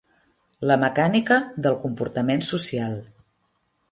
La mecànica del comportament social.